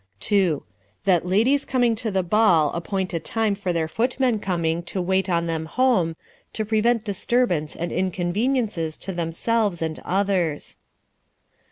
2. " That ladies coming to the ball appoint a time for their footmen coming to wait on them home, to prevent disturbance and inconveniences to themselves and others.